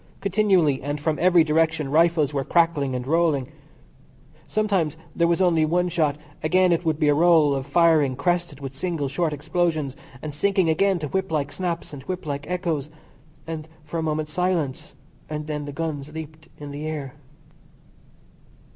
Continually and from every direction rifles were crackling and rolling; sometimes there was only one shot, again it would be a roll of firing crested with single, short explosions, and sinking again to whip like snaps and whip like echoes; then for a moment silence, and then again the guns leaped in the air.